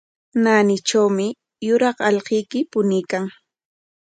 Naanitrawmi yuraq allquyki puñuykan.